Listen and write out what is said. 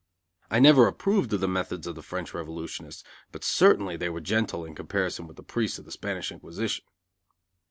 I never approved of the methods of the French revolutionists, but certainly they were gentle in comparison with the priests of the Spanish Inquisition.